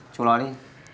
chú nói đi